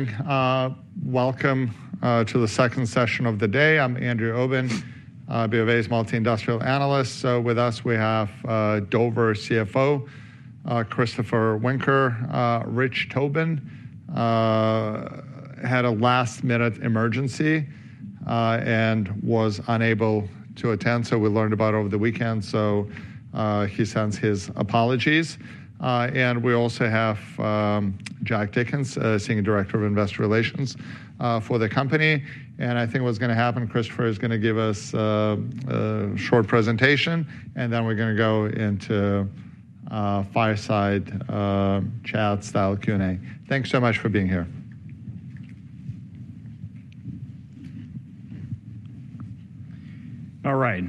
Morning. Welcome to the second session of the day. I'm Andrew Obin, BofA's multi-industrial analyst. With us, we have Dover CFO, Christopher Woenker. Rich Tobin had a last-minute emergency and was unable to attend, so we learned about it over the weekend. He sends his apologies. We also have Jack Dickens, Senior Director of Investor Relations for the company. I think what's going to happen, Christopher is going to give us a short presentation, and then we're going to go into fireside chat style Q&A. Thanks so much for being here. All right.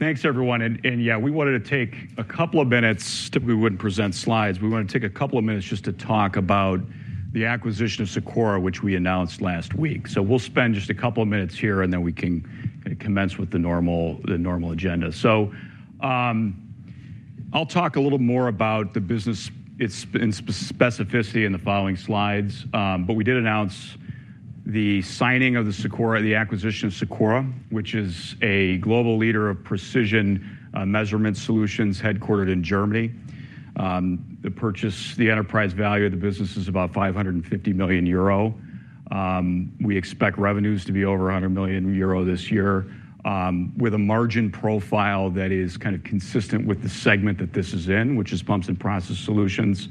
Thanks, everyone. Yeah, we wanted to take a couple of minutes—we wouldn't present slides. We wanted to take a couple of minutes just to talk about the acquisition of SIKORA, which we announced last week. We'll spend just a couple of minutes here, and then we can kind of commence with the normal agenda. I'll talk a little more about the business specificity in the following slides. We did announce the signing of the SIKORA, the acquisition of SIKORA, which is a global leader of precision measurement solutions headquartered in Germany. The purchase, the enterprise value of the business is about 550 million euro. We expect revenues to be over 100 million euro this year, with a margin profile that is kind of consistent with the segment that this is in, which is pumps and process solutions,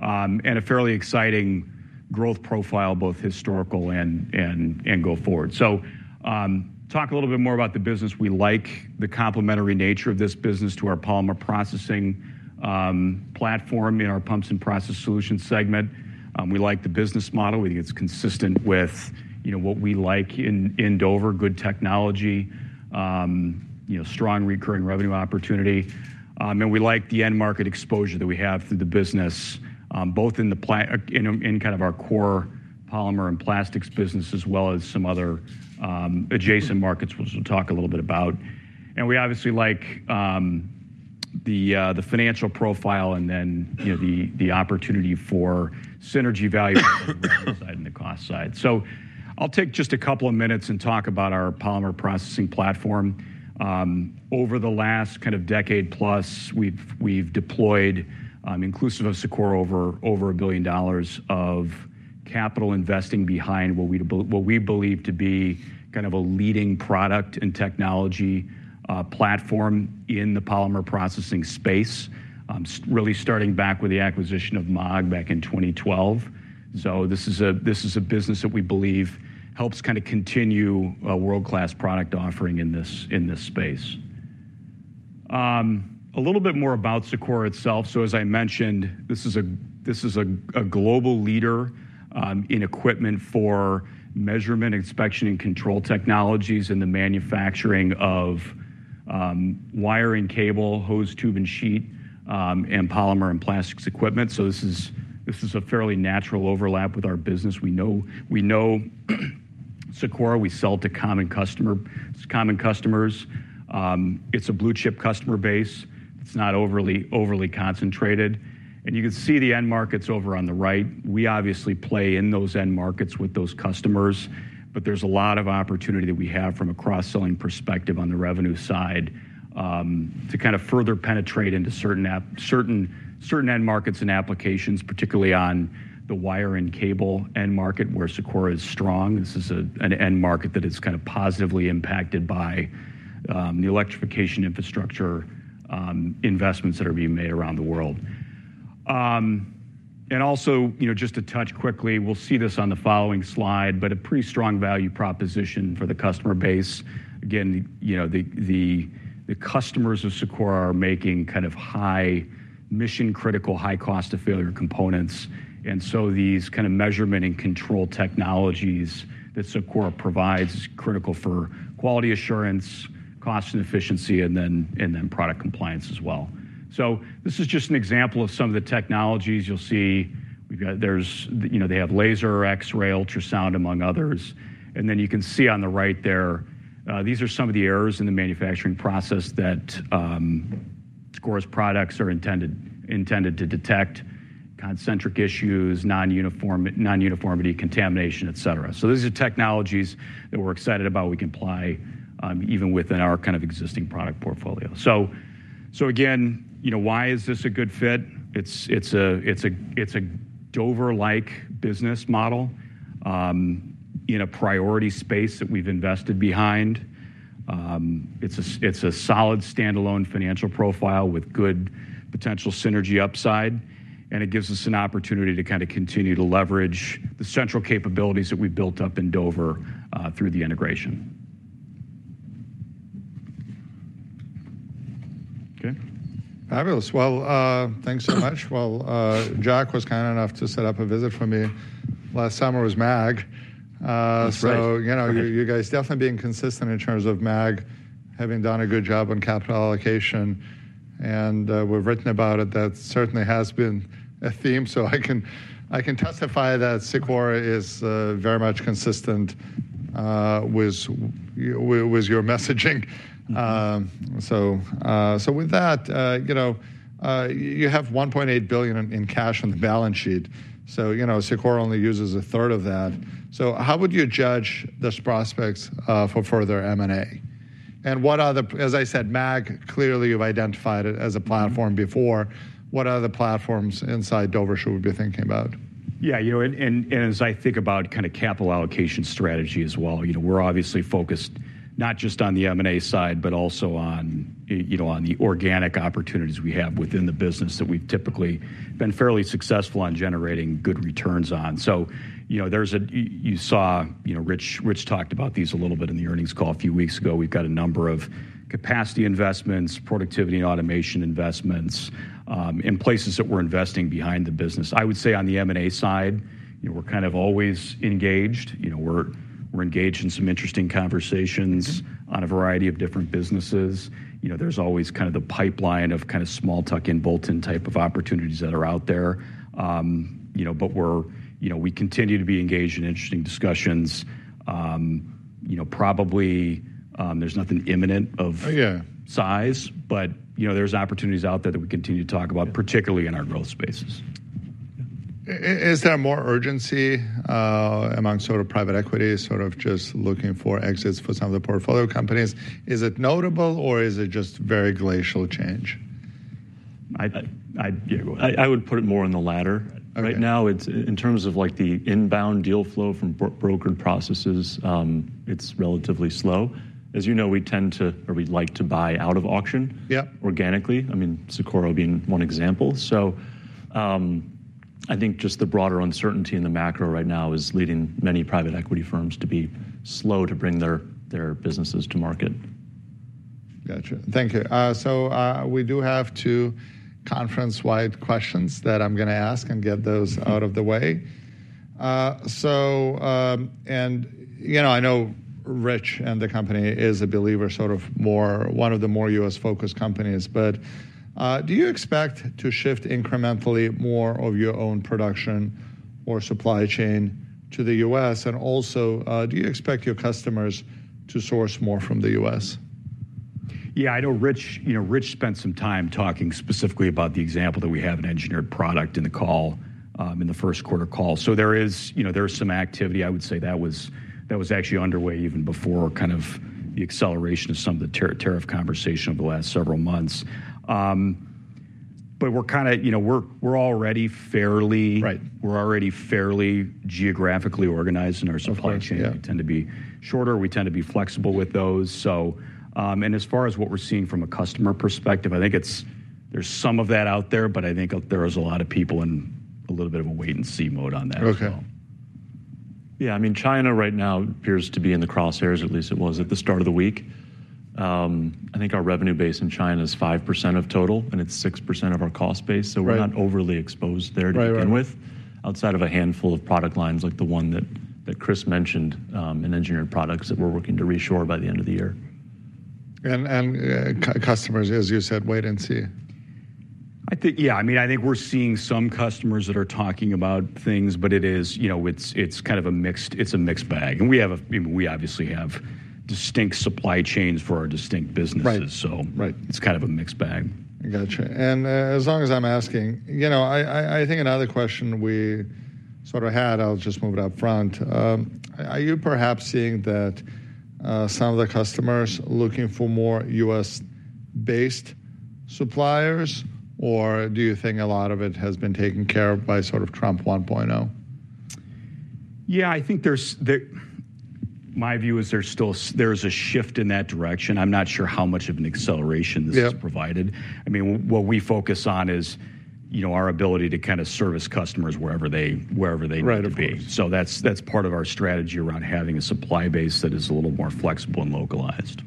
and a fairly exciting growth profile, both historical and go forward. Talk a little bit more about the business. We like the complementary nature of this business to our polymer processing platform in our pumps and process solution segment. We like the business model. We think it's consistent with what we like in Dover: good technology, strong recurring revenue opportunity. We like the end market exposure that we have through the business, both in kind of our core polymer and plastics business, as well as some other adjacent markets, which we'll talk a little bit about. We obviously like the financial profile and then the opportunity for synergy value on the cost side. I'll take just a couple of minutes and talk about our polymer processing platform. Over the last decade plus, we've deployed, inclusive of SIKORA, over $1 billion of capital investing behind what we believe to be a leading product and technology platform in the polymer processing space, really starting back with the acquisition of Maag back in 2012. This is a business that we believe helps continue a world-class product offering in this space. A little bit more about SIKORA itself. As I mentioned, this is a global leader in equipment for measurement, inspection, and control technologies in the manufacturing of wire, cable, hose, tube, and sheet, and polymer and plastics equipment. This is a fairly natural overlap with our business. We know SIKORA. We sell to common customers. It's a blue-chip customer base. It's not overly concentrated. You can see the end markets over on the right. We obviously play in those end markets with those customers. There is a lot of opportunity that we have from a cross-selling perspective on the revenue side to kind of further penetrate into certain end markets and applications, particularly on the wire and cable end market, where SIKORA is strong. This is an end market that is kind of positively impacted by the electrification infrastructure investments that are being made around the world. Also, just to touch quickly, we will see this on the following slide, but a pretty strong value proposition for the customer base. Again, the customers of SIKORA are making kind of high mission-critical, high cost-of-failure components. These kind of measurement and control technologies that SIKORA provides are critical for quality assurance, cost and efficiency, and then product compliance as well. This is just an example of some of the technologies you'll see. They have laser, X-ray, ultrasound, among others. You can see on the right there, these are some of the errors in the manufacturing process that SIKORA's products are intended to detect: concentric issues, non-uniformity, contamination, et cetera. These are technologies that we're excited about. We can apply them even within our kind of existing product portfolio. Again, why is this a good fit? It's a Dover-like business model in a priority space that we've invested behind. It's a solid standalone financial profile with good potential synergy upside. It gives us an opportunity to kind of continue to leverage the central capabilities that we've built up in Dover through the integration. Okay. Fabulous. Thanks so much. Jack was kind enough to set up a visit for me last summer with Maag. You guys definitely being consistent in terms of Maag having done a good job on capital allocation. We've written about it. That certainly has been a theme. I can testify that SIKORA is very much consistent with your messaging. You have $1.8 billion in cash on the balance sheet. SIKORA only uses a third of that. How would you judge this prospect for further M&A? As I said, Maag, clearly you've identified it as a platform before. What other platforms inside Dover should we be thinking about? Yeah. As I think about kind of capital allocation strategy as well, we're obviously focused not just on the M&A side, but also on the organic opportunities we have within the business that we've typically been fairly successful on generating good returns on. You saw Rich talked about these a little bit in the earnings call a few weeks ago. We've got a number of capacity investments, productivity and automation investments in places that we're investing behind the business. I would say on the M&A side, we're kind of always engaged. We're engaged in some interesting conversations on a variety of different businesses. There's always kind of the pipeline of kind of small tuck-in bolt-in type of opportunities that are out there. We continue to be engaged in interesting discussions. Probably there's nothing imminent of size, but there's opportunities out there that we continue to talk about, particularly in our growth spaces. Is there more urgency among sort of private equity sort of just looking for exits for some of the portfolio companies? Is it notable, or is it just very glacial change? I would put it more on the latter. Right now, in terms of the inbound deal flow from brokered processes, it's relatively slow. As you know, we tend to, or we like to buy out of auction organically, I mean, SIKORA being one example. I think just the broader uncertainty in the macro right now is leading many private equity firms to be slow to bring their businesses to market. Gotcha. Thank you. We do have two conference-wide questions that I'm going to ask and get those out of the way. I know Rich and the company is a believer, sort of one of the more U.S.-focused companies. Do you expect to shift incrementally more of your own production or supply chain to the U.S.? Also, do you expect your customers to source more from the U.S.? Yeah. I know Rich spent some time talking specifically about the example that we have an engineered product in the first quarter call. There is some activity. I would say that was actually underway even before kind of the acceleration of some of the tariff conversation over the last several months. We are already fairly geographically organized in our supply chain. We tend to be shorter. We tend to be flexible with those. As far as what we are seeing from a customer perspective, I think there is some of that out there, but I think there are a lot of people in a little bit of a wait-and-see mode on that as well. Yeah. I mean, China right now appears to be in the crosshairs, at least it was at the start of the week. I think our revenue base in China is 5% of total, and it's 6% of our cost base. So we're not overly exposed there to begin with, outside of a handful of product lines like the one that Chris mentioned in engineered products that we're working to reshore by the end of the year. Customers, as you said, wait and see. Yeah. I mean, I think we're seeing some customers that are talking about things, but it's kind of a mixed bag. We obviously have distinct supply chains for our distinct businesses. It's kind of a mixed bag. Gotcha. As long as I'm asking, I think another question we sort of had, I'll just move it up front. Are you perhaps seeing that some of the customers are looking for more U.S.-based suppliers, or do you think a lot of it has been taken care of by sort of Trump 1.0? Yeah. I think my view is there's a shift in that direction. I'm not sure how much of an acceleration this has provided. I mean, what we focus on is our ability to kind of service customers wherever they need to be. That is part of our strategy around having a supply base that is a little more flexible and localized.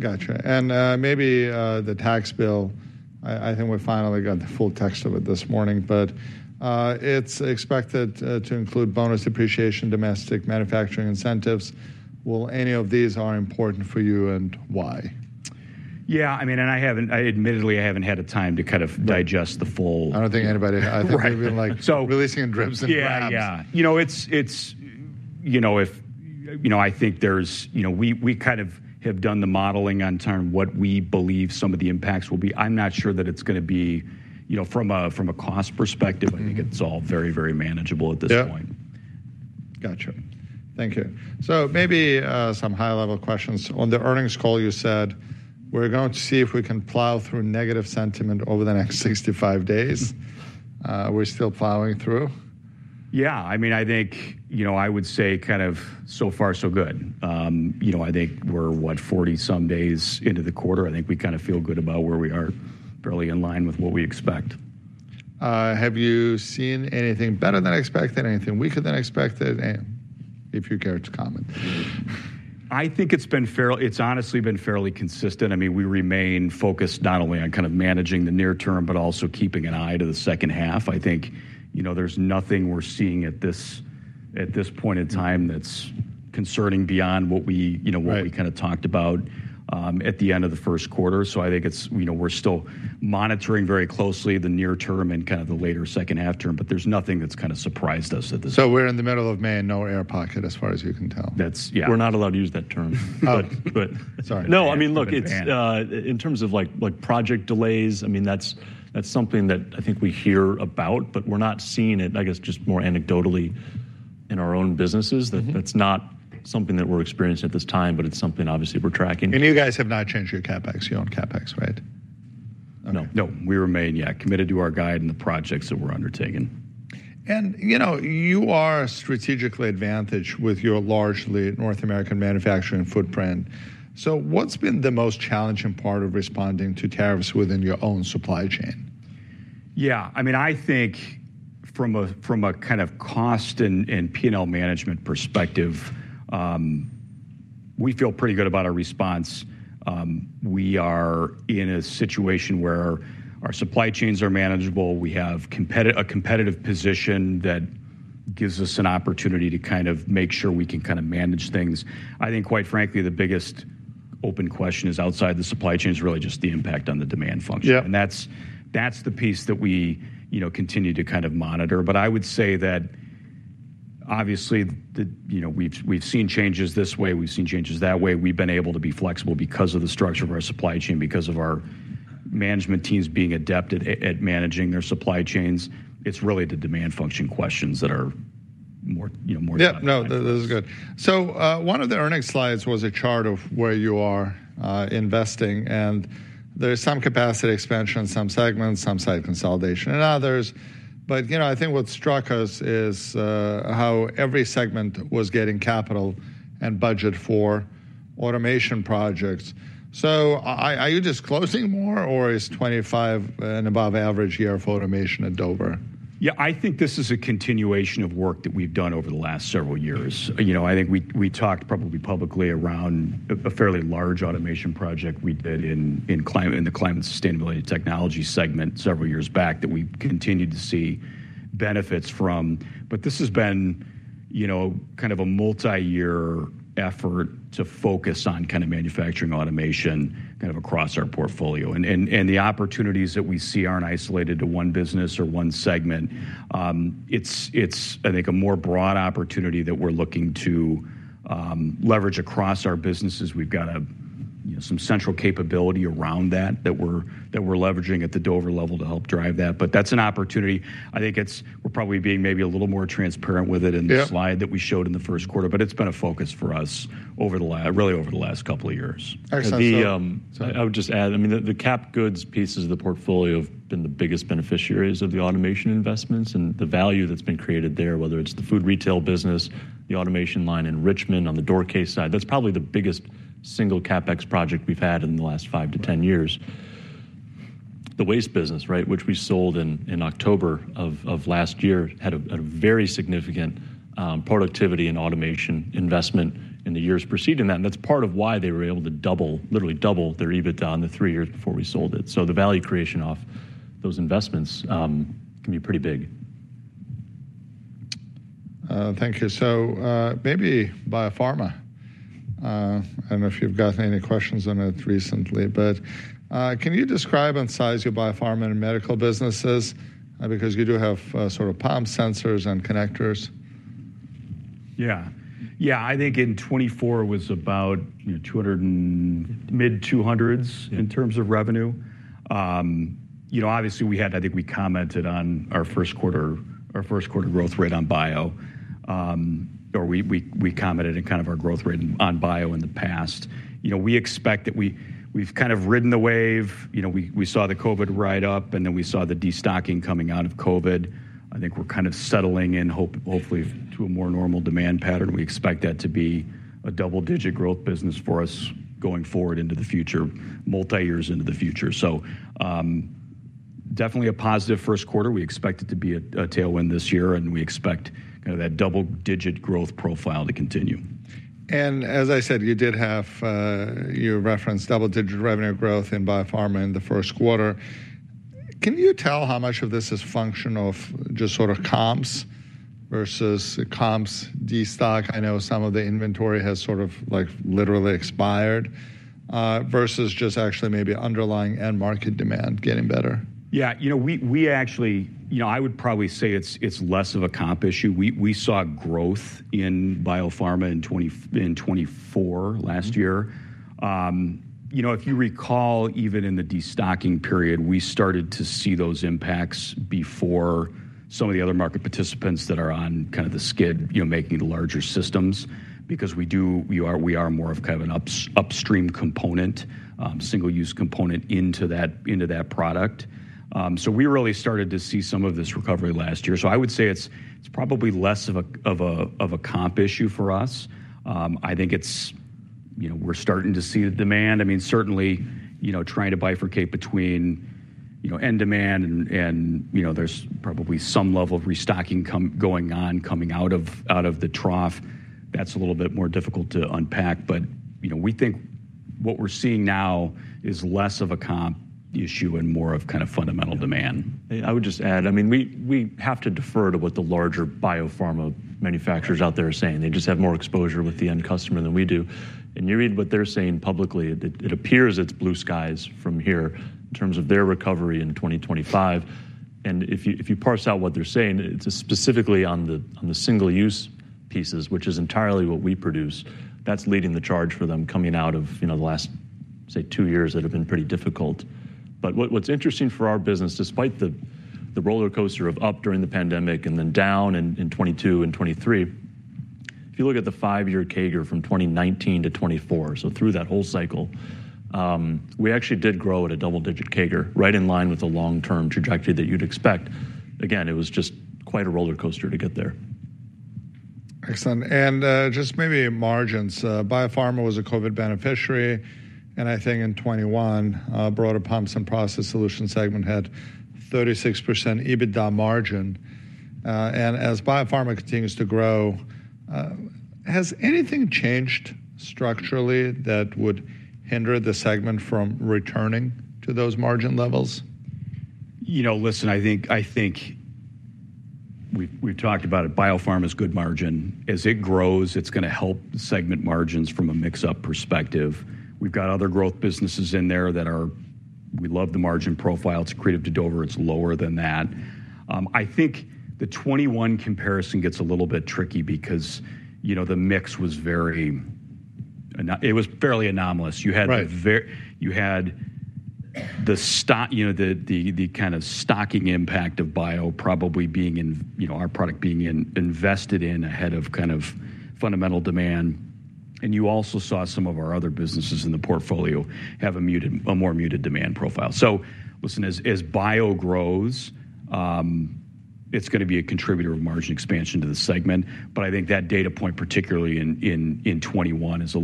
Gotcha. Maybe the tax bill, I think we finally got the full text of it this morning. It is expected to include bonus depreciation, domestic manufacturing incentives. Will any of these are important for you and why? Yeah. I mean, and admittedly, I haven't had time to kind of digest the full. I don't think anybody, I think maybe like releasing in dribs and drabs. Yeah. Yeah. I think we kind of have done the modeling on term what we believe some of the impacts will be. I'm not sure that it's going to be from a cost perspective. I think it's all very, very manageable at this point. Gotcha. Thank you. Maybe some high-level questions. On the earnings call, you said, "We're going to see if we can plow through negative sentiment over the next 65 days." We're still plowing through. Yeah. I mean, I think I would say kind of so far, so good. I think we're, what, 40-some days into the quarter. I think we kind of feel good about where we are, fairly in line with what we expect. Have you seen anything better than expected, anything weaker than expected, if you care to comment? I think it's honestly been fairly consistent. I mean, we remain focused not only on kind of managing the near term, but also keeping an eye to the second half. I think there's nothing we're seeing at this point in time that's concerning beyond what we kind of talked about at the end of the first quarter. I think we're still monitoring very closely the near term and kind of the later second half term. There's nothing that's kind of surprised us at this point. We're in the middle of May and no air pocket as far as you can tell. We're not allowed to use that term. Sorry. No, I mean, look, in terms of project delays, I mean, that's something that I think we hear about, but we're not seeing it, I guess, just more anecdotally in our own businesses. That's not something that we're experiencing at this time, but it's something obviously we're tracking. You guys have not changed your CapEx. You own CapEx, right? No. We remain, yeah, committed to our guide and the projects that we're undertaking. You are strategically advantaged with your largely North American manufacturing footprint. What has been the most challenging part of responding to tariffs within your own supply chain? Yeah. I mean, I think from a kind of cost and P&L management perspective, we feel pretty good about our response. We are in a situation where our supply chains are manageable. We have a competitive position that gives us an opportunity to kind of make sure we can kind of manage things. I think, quite frankly, the biggest open question is outside the supply chain is really just the impact on the demand function. That is the piece that we continue to kind of monitor. I would say that obviously we have seen changes this way. We have seen changes that way. We have been able to be flexible because of the structure of our supply chain, because of our management teams being adept at managing their supply chains. It is really the demand function questions that are more difficult. Yep. No, this is good. One of the earnings slides was a chart of where you are investing. There is some capacity expansion on some segments, some site consolidation in others. I think what struck us is how every segment was getting capital and budget for automation projects. Are you disclosing more, or is 2025 an above average year of automation at Dover? Yeah. I think this is a continuation of work that we've done over the last several years. I think we talked probably publicly around a fairly large automation project we did in the climate and sustainability technology segment several years back that we've continued to see benefits from. This has been kind of a multi-year effort to focus on kind of manufacturing automation across our portfolio. The opportunities that we see aren't isolated to one business or one segment. It's, I think, a more broad opportunity that we're looking to leverage across our businesses. We've got some central capability around that that we're leveraging at the Dover level to help drive that. That's an opportunity. I think we're probably being maybe a little more transparent with it in the slide that we showed in the first quarter. It has been a focus for us really over the last couple of years. I would just add, I mean, the cap goods pieces of the portfolio have been the biggest beneficiaries of the automation investments and the value that's been created there, whether it's the food retail business, the automation line in Richmond on the doorcase side. That's probably the biggest single CapEx project we've had in the last 5-10 years. The waste business, right, which we sold in October of last year, had a very significant productivity and automation investment in the years preceding that. That's part of why they were able to literally double their EBITDA in the three years before we sold it. The value creation off those investments can be pretty big. Thank you. Maybe biopharma. I don't know if you've got any questions on it recently. Can you describe and size your biopharma and medical businesses? Because you do have sort of palm sensors and connectors. Yeah. Yeah. I think in 2024 it was about mid-200s in terms of revenue. Obviously, I think we commented on our first quarter growth rate on bio, or we commented on kind of our growth rate on bio in the past. We expect that we've kind of ridden the wave. We saw the COVID ride up, and then we saw the destocking coming out of COVID. I think we're kind of settling in, hopefully, to a more normal demand pattern. We expect that to be a double-digit growth business for us going forward into the future, multi-years into the future. Definitely a positive first quarter. We expect it to be a tailwind this year, and we expect kind of that double-digit growth profile to continue. As I said, you did have your reference double-digit revenue growth in biopharma in the first quarter. Can you tell how much of this is functional of just sort of comps versus comps destock? I know some of the inventory has sort of literally expired versus just actually maybe underlying end market demand getting better. Yeah. You know, I would probably say it's less of a comp issue. We saw growth in biopharma in 2024 last year. If you recall, even in the destocking period, we started to see those impacts before some of the other market participants that are on kind of the skid, making the larger systems, because we are more of kind of an upstream component, single-use component into that product. We really started to see some of this recovery last year. I would say it's probably less of a comp issue for us. I think we're starting to see the demand. I mean, certainly trying to bifurcate between end demand, and there's probably some level of restocking going on coming out of the trough. That's a little bit more difficult to unpack. We think what we're seeing now is less of a comp issue and more of kind of fundamental demand. I would just add, I mean, we have to defer to what the larger biopharma manufacturers out there are saying. They just have more exposure with the end customer than we do. You read what they're saying publicly. It appears it's blue skies from here in terms of their recovery in 2025. If you parse out what they're saying, it's specifically on the single-use pieces, which is entirely what we produce. That's leading the charge for them coming out of the last, say, two years that have been pretty difficult. What's interesting for our business, despite the roller coaster of up during the pandemic and then down in 2022 and 2023, if you look at the five-year CAGR from 2019 to 2024, so through that whole cycle, we actually did grow at a double-digit CAGR, right in line with the long-term trajectory that you'd expect. Again, it was just quite a roller coaster to get there. Excellent. Just maybe margins. Biopharma was a COVID beneficiary. I think in 2021, broader pumps and process solution segment had 36% EBITDA margin. As biopharma continues to grow, has anything changed structurally that would hinder the segment from returning to those margin levels? Listen, I think we've talked about it. Biopharma's good margin. As it grows, it's going to help segment margins from a mix-up perspective. We've got other growth businesses in there that are, we love the margin profile. It's accretive to Dover. It's lower than that. I think the 2021 comparison gets a little bit tricky because the mix was very, it was fairly anomalous. You had the kind of stocking impact of bio probably being in our product being invested in ahead of kind of fundamental demand. You also saw some of our other businesses in the portfolio have a more muted demand profile. Listen, as bio grows, it's going to be a contributor of margin expansion to the segment. I think that data point, particularly in 2021, is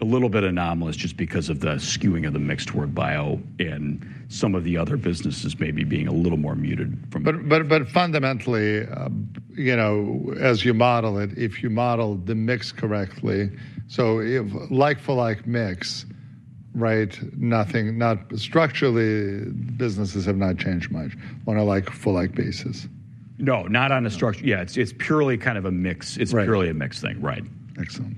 a little bit anomalous just because of the skewing of the mix toward bio and some of the other businesses maybe being a little more muted from. Fundamentally, as you model it, if you model the mix correctly, so like-for-like mix, right, structurally businesses have not changed much on a like-for-like basis. No, not on a structure, yeah. It's purely kind of a mix. It's purely a mix thing, right. Excellent.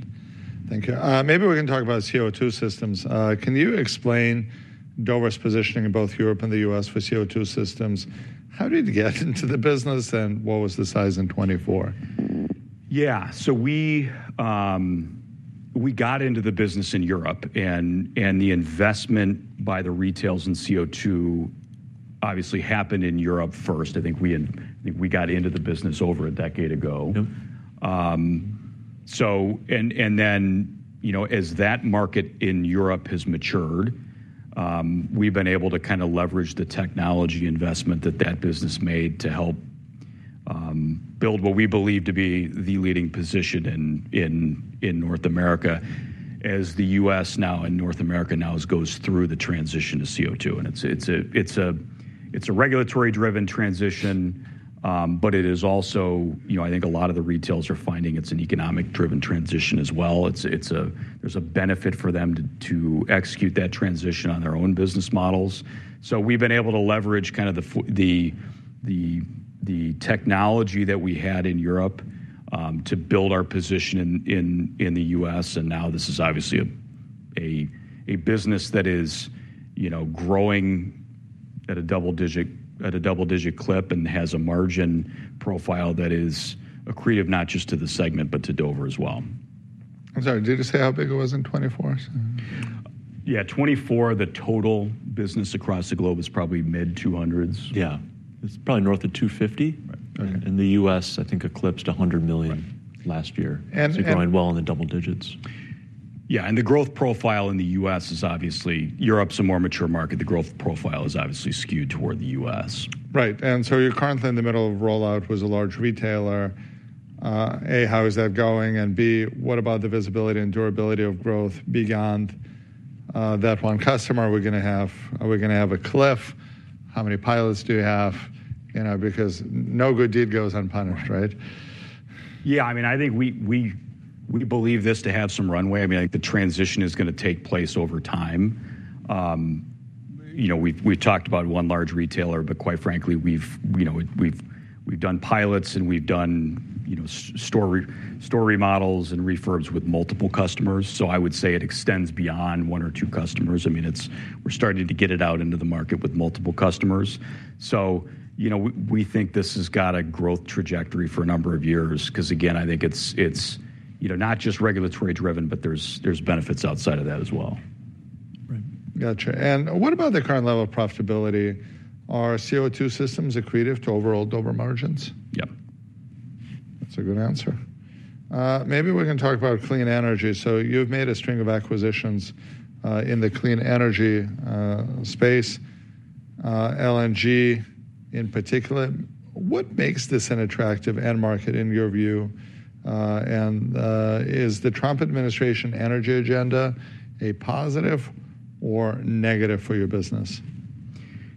Thank you. Maybe we can talk about CO2 systems. Can you explain Dover's positioning in both Europe and the U.S. for CO2 systems? How did you get into the business and what was the size in 2024? Yeah. We got into the business in Europe. The investment by the retails in CO2 obviously happened in Europe first. I think we got into the business over a decade ago. As that market in Europe has matured, we've been able to kind of leverage the technology investment that that business made to help build what we believe to be the leading position in North America as the U.S. now and North America now goes through the transition to CO2. It's a regulatory-driven transition, but it is also, I think a lot of the retailers are finding it's an economic-driven transition as well. There's a benefit for them to execute that transition on their own business models. We've been able to leverage kind of the technology that we had in Europe to build our position in the U.S. This is obviously a business that is growing at a double-digit clip and has a margin profile that is accretive not just to the segment, but to Dover as well. I'm sorry. Did you say how big it was in 2024? Yeah. 2024, the total business across the globe was probably mid-$200 millions. Yeah. It is probably north of $250 million. And the U.S., I think, eclipsed $100 million last year. Growing well in the double digits. Yeah. The growth profile in the U.S. is obviously, Europe is a more mature market. The growth profile is obviously skewed toward the U.S. Right. You are currently in the middle of rollout with a large retailer. A, how is that going? B, what about the visibility and durability of growth beyond that one customer? Are we going to have a cliff? How many pilots do you have? Because no good deed goes unpunished, right? Yeah. I mean, I think we believe this to have some runway. I mean, I think the transition is going to take place over time. We've talked about one large retailer, but quite frankly, we've done pilots and we've done story models and refurbs with multiple customers. I would say it extends beyond one or two customers. I mean, we're starting to get it out into the market with multiple customers. We think this has got a growth trajectory for a number of years because, again, I think it's not just regulatory-driven, but there's benefits outside of that as well. Right. Gotcha. What about the current level of profitability? Are CO2 systems accretive to overall Dover margins? Yep. That's a good answer. Maybe we can talk about clean energy. You have made a string of acquisitions in the clean energy space, LNG in particular. What makes this an attractive end market in your view? Is the Trump administration energy agenda a positive or negative for your business?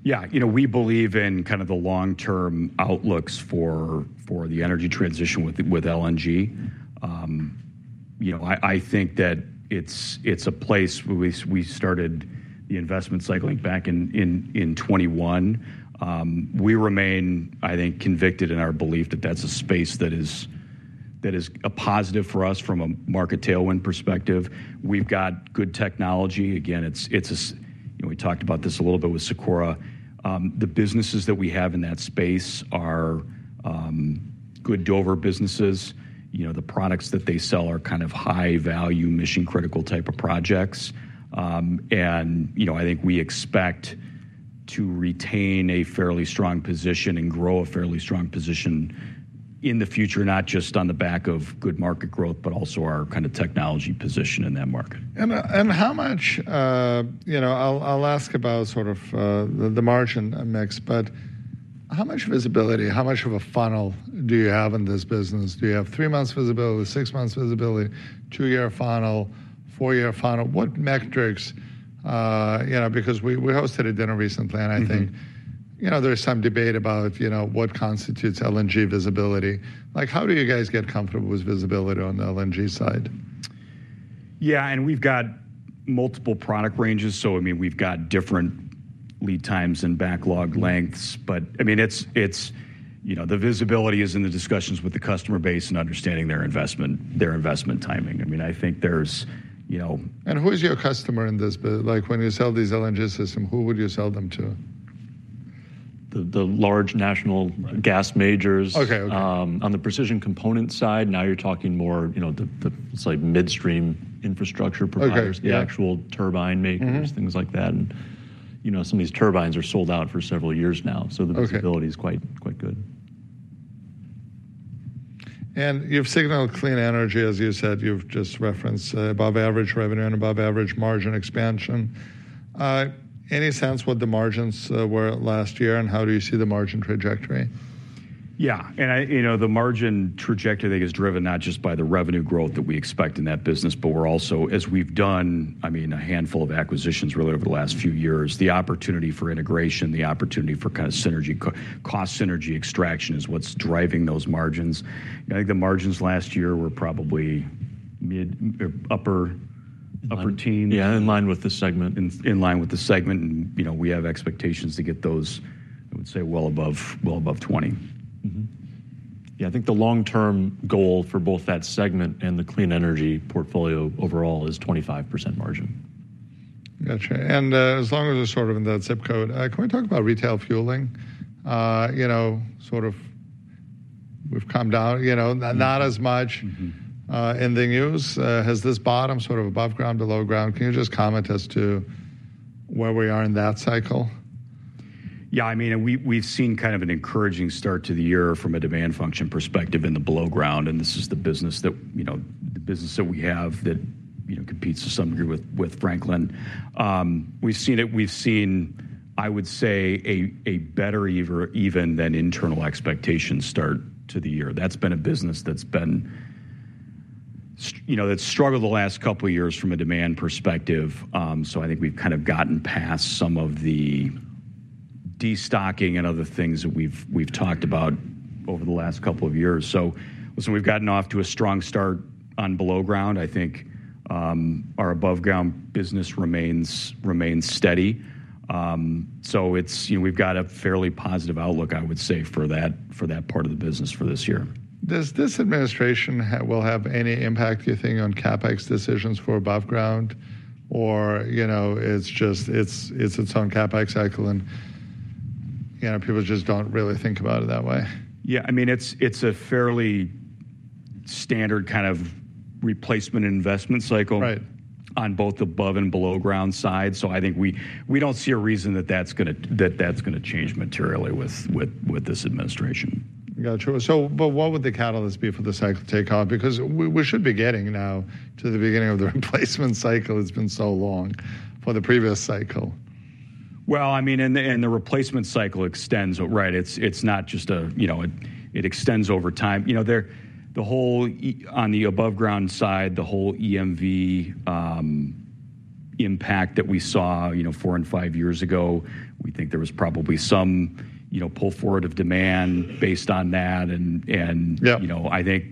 Yeah. We believe in kind of the long-term outlooks for the energy transition with LNG. I think that it's a place we started the investment cycling back in 2021. We remain, I think, convicted in our belief that that's a space that is a positive for us from a market tailwind perspective. We've got good technology. Again, it's. We talked about this a little bit with SIKORA. The businesses that we have in that space are good Dover businesses. The products that they sell are kind of high-value mission-critical type of projects. I think we expect to retain a fairly strong position and grow a fairly strong position in the future, not just on the back of good market growth, but also our kind of technology position in that market. How much, I'll ask about sort of the margin mix, but how much visibility, how much of a funnel do you have in this business? Do you have three months visibility, six months visibility, two-year funnel, four-year funnel? What metrics? Because we hosted a dinner recently, and I think there's some debate about what constitutes LNG visibility. How do you guys get comfortable with visibility on the LNG side? Yeah. We have got multiple product ranges. I mean, we have got different lead times and backlog lengths. I mean, the visibility is in the discussions with the customer base and understanding their investment timing. I mean, I think there is. Who is your customer in this? When you sell these LNG systems, who would you sell them to? The large national gas majors. On the precision component side, now you're talking more the midstream infrastructure providers, the actual turbine makers, things like that. Some of these turbines are sold out for several years now. The visibility is quite good. You have signaled clean energy, as you said. You have just referenced above-average revenue and above-average margin expansion. Any sense what the margins were last year and how do you see the margin trajectory? Yeah. The margin trajectory, I think, is driven not just by the revenue growth that we expect in that business, but we're also, as we've done, I mean, a handful of acquisitions really over the last few years, the opportunity for integration, the opportunity for kind of cost synergy extraction is what's driving those margins. I think the margins last year were probably mid- or upper- teen. Yeah, in line with the segment. In line with the segment. We have expectations to get those, I would say, well above 20%. Yeah. I think the long-term goal for both that segment and the clean energy portfolio overall is 25% margin. Gotcha. As long as we're sort of in that zip code, can we talk about retail fueling? Sort of we've come down, not as much in the news. Has this bottom sort of above ground to low ground? Can you just comment as to where we are in that cycle? Yeah. I mean, we've seen kind of an encouraging start to the year from a demand function perspective in the below ground. And this is the business that we have that competes to some degree with Franklin. We've seen, I would say, a better even than internal expectation start to the year. That's been a business that's struggled the last couple of years from a demand perspective. I think we've kind of gotten past some of the destocking and other things that we've talked about over the last couple of years. Listen, we've gotten off to a strong start on below ground. I think our above ground business remains steady. We've got a fairly positive outlook, I would say, for that part of the business for this year. Does this administration have any impact, do you think, on CapEx decisions for above ground, or it's its own CapEx cycle and people just don't really think about it that way? Yeah. I mean, it's a fairly standard kind of replacement investment cycle on both above and below ground side. I think we don't see a reason that that's going to change materially with this administration. Gotcha. What would the catalyst be for the cycle takeoff? Because we should be getting now to the beginning of the replacement cycle. It's been so long for the previous cycle. I mean, the replacement cycle extends, right? It's not just a, it extends over time. The whole on the above ground side, the whole EMV impact that we saw four and five years ago, we think there was probably some pull forward of demand based on that. I think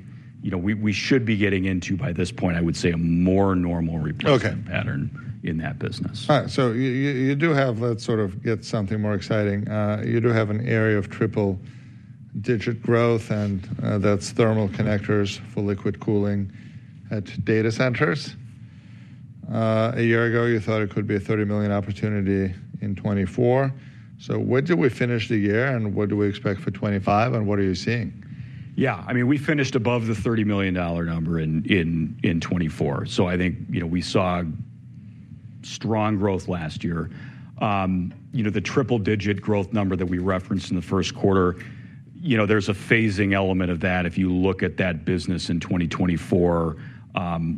we should be getting into, by this point, I would say, a more normal replacement pattern in that business. All right. You do have that sort of get something more exciting. You do have an area of triple-digit growth, and that's thermal connectors for liquid cooling at data centers. A year ago, you thought it could be a $30 million opportunity in 2024. What did we finish the year and what do we expect for 2025 and what are you seeing? Yeah. I mean, we finished above the $30 million number in 2024. I think we saw strong growth last year. The triple-digit growth number that we referenced in the first quarter, there's a phasing element of that. If you look at that business in 2024,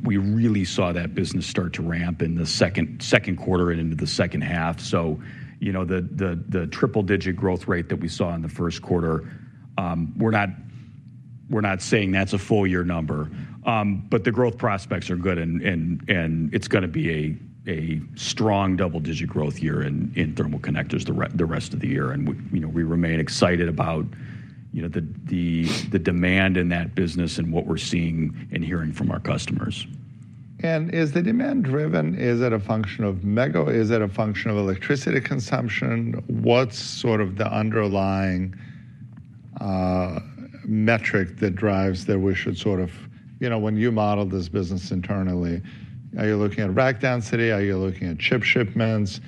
we really saw that business start to ramp in the second quarter and into the second half. The triple-digit growth rate that we saw in the first quarter, we're not saying that's a full year number, but the growth prospects are good and it's going to be a strong double-digit growth year in thermal connectors the rest of the year. We remain excited about the demand in that business and what we're seeing and hearing from our customers. Is the demand driven, is it a function of MW, is it a function of electricity consumption? What's sort of the underlying metric that drives that we should sort of, when you model this business internally, are you looking at rack density? Are you looking at chip shipments?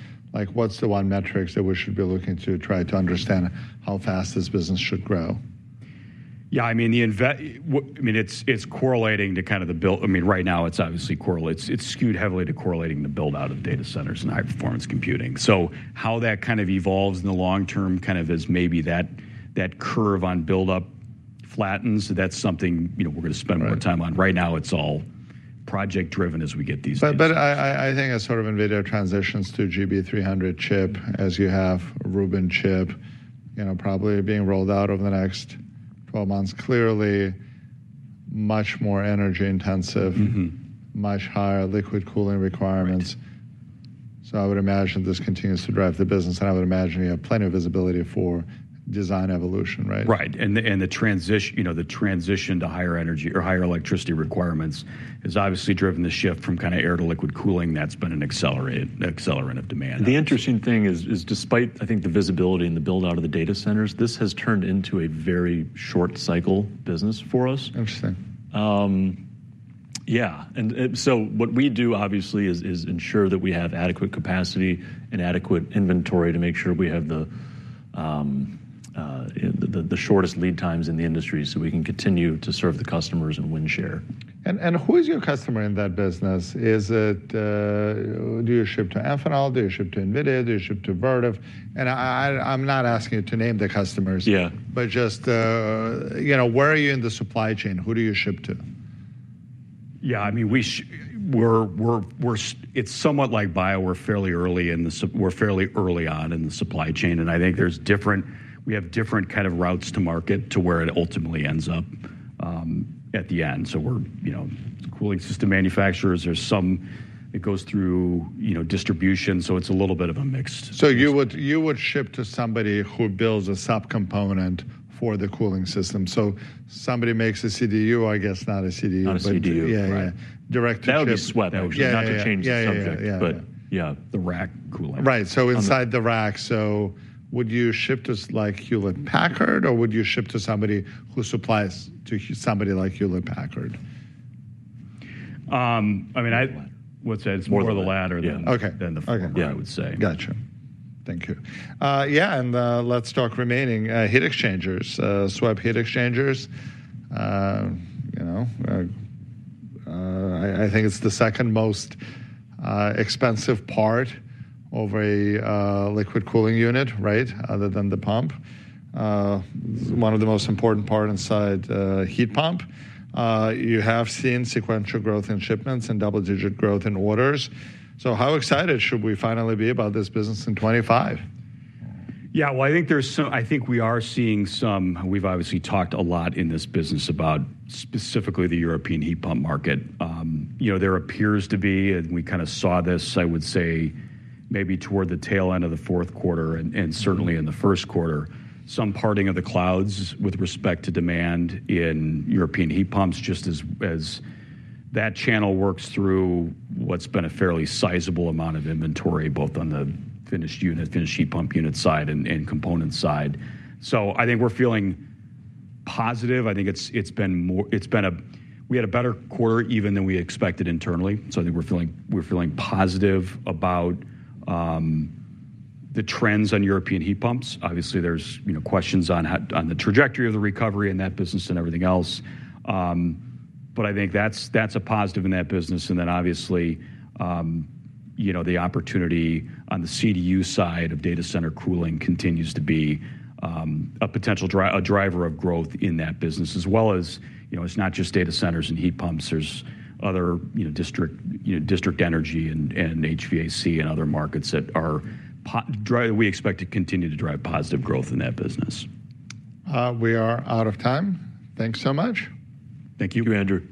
What's the one metric that we should be looking to try to understand how fast this business should grow? Yeah. I mean, it's correlating to kind of the build. I mean, right now, it's obviously skewed heavily to correlating the build-out of data centers and high-performance computing. How that kind of evolves in the long term, kind of as maybe that curve on build-up flattens, that's something we're going to spend more time on. Right now, it's all project-driven as we get these things. I think as sort of NVIDIA transitions to GB300 chip, as you have Rubin chip probably being rolled out over the next 12 months, clearly much more energy intensive, much higher liquid cooling requirements. I would imagine this continues to drive the business. I would imagine you have plenty of visibility for design evolution, right? Right. The transition to higher energy or higher electricity requirements has obviously driven the shift from kind of air to liquid cooling. That has been an accelerant of demand. The interesting thing is, despite I think the visibility and the build-out of the data centers, this has turned into a very short cycle business for us. Interesting. Yeah. What we do, obviously, is ensure that we have adequate capacity and adequate inventory to make sure we have the shortest lead times in the industry so we can continue to serve the customers and win share. Who is your customer in that business? Is it, do you ship to Amphenol? Do you ship to NVIDIA? Do you ship to Vertiv? I'm not asking you to name the customers, but just where are you in the supply chain? Who do you ship to? Yeah. I mean, it's somewhat like bio. We're fairly early in the—we're fairly early on in the supply chain. And I think there's different—we have different kind of routes to market to where it ultimately ends up at the end. So we're cooling system manufacturers. There's some—it goes through distribution. So it's a little bit of a mixed system. You would ship to somebody who builds a subcomponent for the cooling system. Somebody makes a CDU, I guess, not a CDU. Not a CDU. Yeah, yeah. Direct to chip. That would be a sweet notion. Not to change the subject, but yeah. The rack cooling. Right. So inside the rack. Would you ship to like Hewlett-Packard or would you ship to somebody who supplies to somebody like Hewlett-Packard? I mean, I would say it's more the latter than the front line, I would say. Gotcha. Thank you. Yeah. Let's talk remaining heat exchangers, swap heat exchangers. I think it's the second most expensive part of a liquid cooling unit, right, other than the pump. One of the most important parts inside a heat pump. You have seen sequential growth in shipments and double-digit growth in orders. How excited should we finally be about this business in 2025? Yeah. I think there's some, I think we are seeing some, we've obviously talked a lot in this business about specifically the European heat pump market. There appears to be, and we kind of saw this, I would say, maybe toward the tail end of the fourth quarter and certainly in the first quarter, some parting of the clouds with respect to demand in European heat pumps, just as that channel works through what's been a fairly sizable amount of inventory, both on the finished heat pump unit side and component side. I think we're feeling positive. I think we had a better quarter even than we expected internally. I think we're feeling positive about the trends on European heat pumps. Obviously, there's questions on the trajectory of the recovery in that business and everything else. I think that's a positive in that business. Obviously, the opportunity on the CDU side of data center cooling continues to be a potential driver of growth in that business, as well as it's not just data centers and heat pumps. There is other district energy and HVAC and other markets that we expect to continue to drive positive growth in that business. We are out of time. Thanks so much. Thank you. You, Andrew.